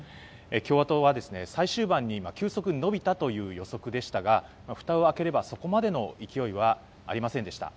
共和党は最終盤に急速に伸びたという予測でしたがふたを開ければそこまでの勢いはありませんでした。